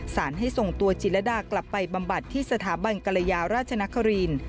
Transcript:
ให้ส่งตัวจิลดากลับไปบำบัดที่สถาบันกรยาราชนคริน